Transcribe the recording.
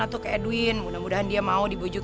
tuh ke edwin mudah mudahan dia mau dibujuk